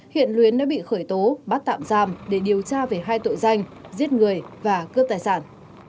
hiện luyến đã bị khởi tố bắt tạm giam để điều tra về hai tội danh giết người và cướp tài sản